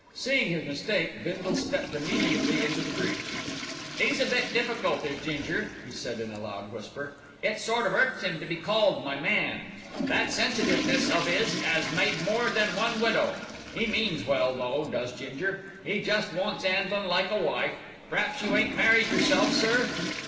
Seeing his mistake, Bindle stepped immediately into the breach. "'E's a bit difficult, is Ginger," he said in a loud whisper. "It sort o' 'urts 'im to be called 'my man.' That sensitiveness of 'is 'as made more than one widow. 'E means well, though, does Ginger, 'e jest wants 'andlin' like a wife. P'raps you ain't married yourself, sir."